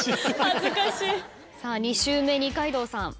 ２周目二階堂さん。